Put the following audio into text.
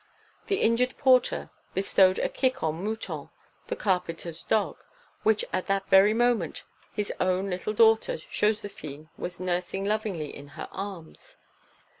The injured porter bestowed a kick on Mouton, the carpenter's dog, which at that very moment his own little daughter Joséphine was nursing lovingly in her arms.